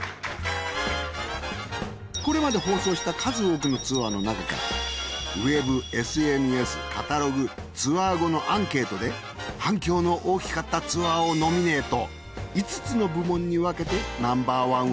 これまで放送した数多くのツアーのなかからウェブＳＮＳカタログツアー後のアンケートで反響の大きかったツアーをノミネート！